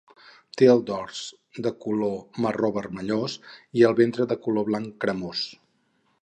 Té el dors d'un color marró vermellós i el ventre de color blanc cremós.